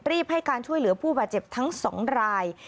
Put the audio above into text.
ให้การช่วยเหลือผู้บาดเจ็บทั้ง๒ราย